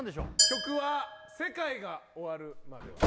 曲は「世界が終るまでは」